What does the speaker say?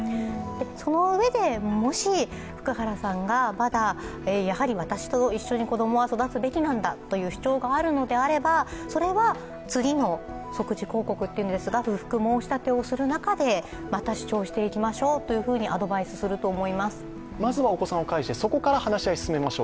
そのうえで、もし福原さんがまだやはり私と一緒に子供は育つべきなんだという主張があるのであればそれは次の即時抗告というんですが、不服申し立てをする中でまた主張していきましょうとアドバイスすると思います。